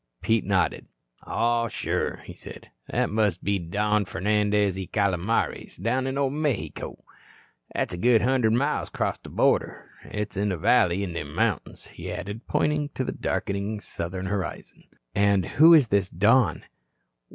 Pete nodded. "Aw, sure," he said, "that must be Don Fernandez y Calomares, down in Ol' Mexico. That's a good hundred mile acrost the border. It's in a valley in them mountains," he added, pointing to the darkening southern horizon. "And who is this Don?"